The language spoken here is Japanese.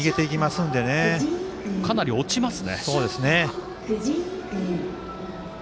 かなり落ちます。